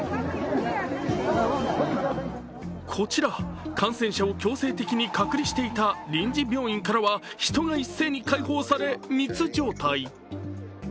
こちら、感染者を強制的に隔離していた臨時病院から人が一斉に解放され、密状態。